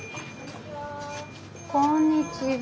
こんにちは。